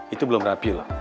itu belum rapi loh